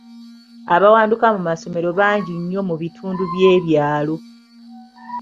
Abawanduka mu masomero bangi nnyo mu bitundu by'ebyalo.